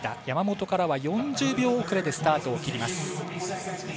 山本からは４０秒遅れでスタートを切ります。